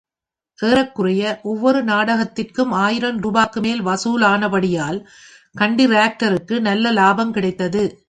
ஏறக்குறைய ஒவ்வொரு நாடகத்திற்கும் ஆயிரம் ரூபாய்க்கு மேல் வசூலானபடியால், கண்டிராக்டருக்கு நல்ல லாபம் கிடைத்தது.